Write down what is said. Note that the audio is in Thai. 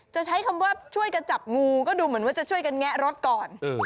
จะใช้คำว่าช่วยกันจับงูก็ดูเหมือนว่าจะช่วยกันแงะรถก่อน